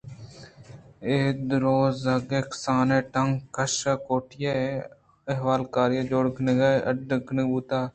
اے دروازگ ءِ کسانیں ٹنگ کش ءِ کوٹی ءِ احوالکاری ءَ پہ جوڑینگ ءُاڈ کنگ بوتگ اِت